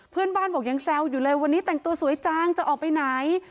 เพื่อนบ้านบอกยังแซวอยู่เลยวันนี้แต่งตัวสวยจังจะออกไปไหน